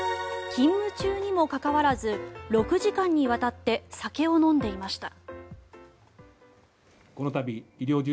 勤務中にもかかわらず６時間にわたって酒を飲んでいました。